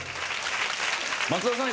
松田さん